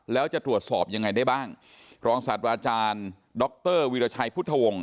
แล้วจะตรวจสอบยังไงได้บ้างรองศาสตราจารย์ดรวีรชัยพุทธวงศ์